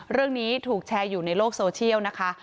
เรื่องนี้ถูกแชร์อยู่ในโลกโซเชียลนะคะ